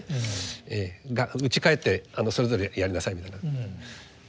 うち帰ってそれぞれやりなさいみたいな。